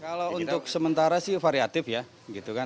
kalau untuk sementara sih variatif ya